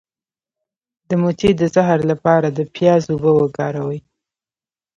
د مچۍ د زهر لپاره د پیاز اوبه وکاروئ